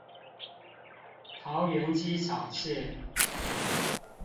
桃園機場線